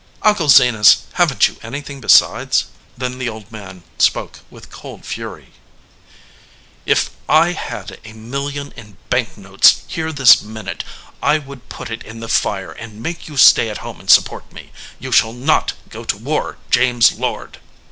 "Uncle Zenas, haven t you anything besides ?" Then the old man spoke with cold fury : "ff I had a million in bank notes here this min ute I would put it in the fire and make you stay at home and support me. You shall not go to war, James Lord!"